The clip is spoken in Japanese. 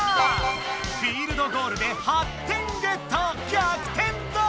フィールドゴールで８点ゲット！逆転だ！